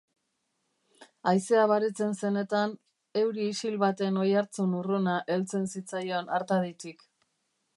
Haizea baretzen zenetan, euri isil baten oihartzun urruna heltzen zitzaion artaditik.